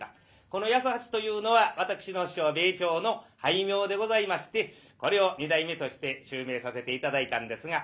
この八十八というのは私の師匠米朝の俳名でございましてこれを二代目として襲名させて頂いたんですが。